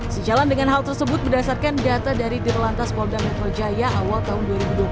sejalan dengan hal tersebut berdasarkan data dari dirlantas polda metro jaya awal tahun dua ribu dua puluh